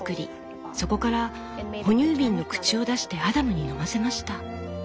そこから哺乳瓶の口を出してアダムに飲ませました」。